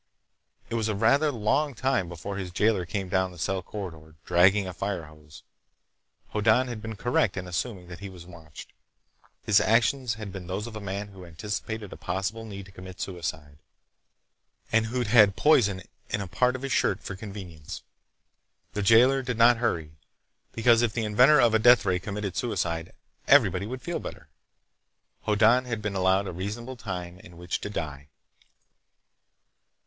It was a rather long time before his jailer came down the cell corridor, dragging a fire hose. Hoddan had been correct in assuming that he was watched. His actions had been those of a man who'd anticipated a possible need to commit suicide, and who'd had poison in a part of his shirt for convenience. The jailer did not hurry, because if the inventor of a deathray committed suicide, everybody would feel better. Hoddan had been allowed a reasonable time in which to die.